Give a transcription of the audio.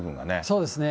そうですね。